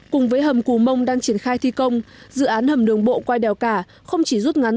cùng với hầm cù mông đang triển khai thi công dự án hầm đường bộ qua đèo cả không chỉ rút ngắn